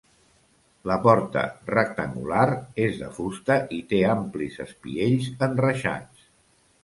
La porta, rectangular, és de fusta i té amplis espiells enreixats.